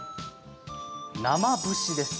生節です。